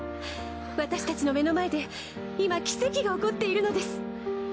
私たちの目の前で今奇跡が起こっているのです！